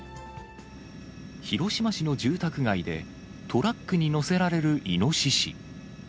広島市の住宅街でトラックに載せられるイノシシ。